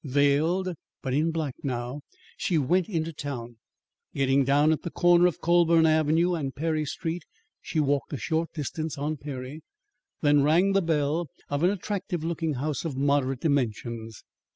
Veiled, but in black now, she went into town. Getting down at the corner of Colburn Avenue and Perry Street, she walked a short distance on Perry, then rang the bell of an attractive looking house of moderate dimensions.